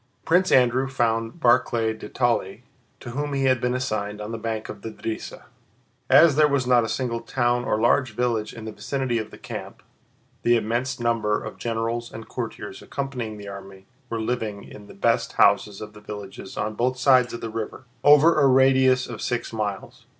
Prince Andrew found Barclay de Tolly, to whom he had been assigned, on the bank of the Drissa. As there was not a single town or large village in the vicinity of the camp, the immense number of generals and courtiers accompanying the army were living in the best houses of the villages on both sides of the river, over a radius of six miles.